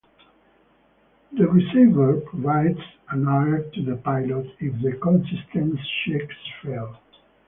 The receiver provides an alert to the pilot if the consistency checks fail.